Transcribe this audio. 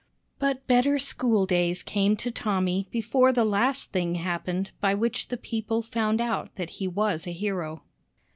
But better school days came to Tommy before the last thing happened by which the people found out that he was a hero.